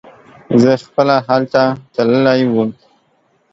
زه خپله هلته تللی وم.